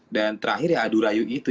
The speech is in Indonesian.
dan terakhir ya aduh rayu itu